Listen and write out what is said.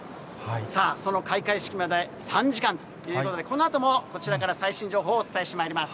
さあ、その開会式まで３時間ということでこのあとも、こちらから最新情報をお伝えしてまいります。